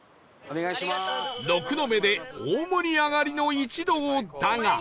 ６の目で大盛り上がりの一同だが